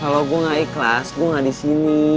kalau gue gak ikhlas gue gak di sini